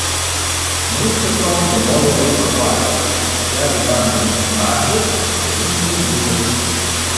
Ми з Петром домовились про бартер: я віддам йому гаджет, а він мені - вулик